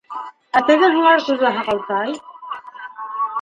Ә теге һыңар күҙле һаҡалтай...